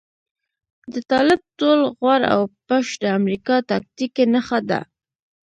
د طالب ټول غور او پش د امريکا تاکتيکي نښه ده.